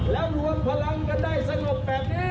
แล้วรวมพลังกันได้สงบแบบนี้